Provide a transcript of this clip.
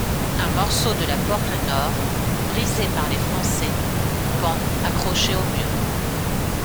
Un morceau de la porte nord, brisée par les Français, pend accroché au mur.